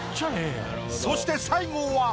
そして最後は。